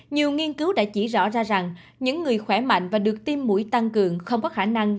nhiều nghiên cứu đã chỉ rõ ra rằng những người khỏe mạnh và được tiêm mũi tăng cường không có khả năng